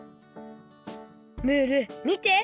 ムールみて！